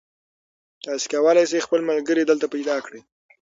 تاسي کولای شئ خپل ملګري دلته پیدا کړئ.